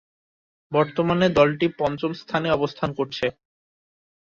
বর্তমানে দলটি পঞ্চম স্থানে অবস্থান করছে।